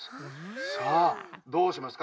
さあどうしますか？